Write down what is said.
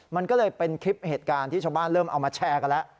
มันก็เลยเป็นคลิปเหตุการณ์ที่ชาวบ้านเริ่มเอามาแชร์กันแล้ว